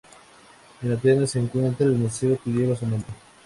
En Atenas se encuentra el museo que lleva su nombre.